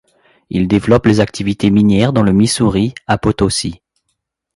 Il développe les activités minières dans le Missouri, à Potosi.